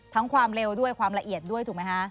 ความเร็วด้วยความละเอียดด้วยถูกไหมคะ